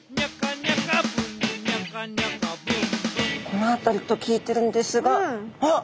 この辺りと聞いてるんですがあっ！